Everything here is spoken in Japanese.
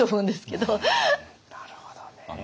なるほどね。